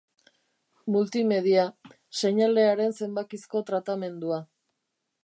Multimedia. Seinalearen zenbakizko tratamendua.